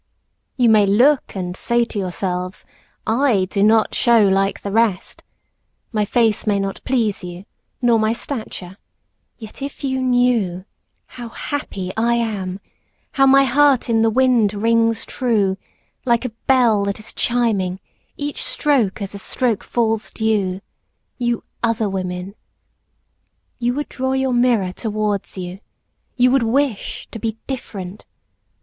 You may look and say to yourselves, I do Not show like the rest. My face may not please you, nor my stature; yet if you knew How happy I am, how my heart in the wind rings true Like a bell that is chiming, each stroke as a stroke falls due, You other women: You would draw your mirror towards you, you would wish To be different.